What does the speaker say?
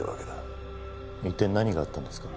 一体何があったんですか？